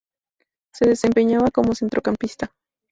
Se desempeñaba como centrocampista.